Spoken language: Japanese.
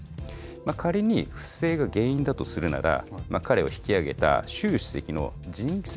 仮に、不正が原因だとするなら、彼を引き上げた習主席の人選